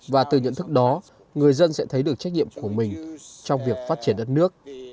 và từ nhận thức đó người dân sẽ thấy được trách nhiệm của mình trong việc phát triển đất nước